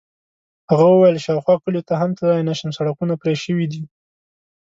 هغه وویل: شاوخوا کلیو ته هم تللی نه شم، سړکونه پرې شوي دي.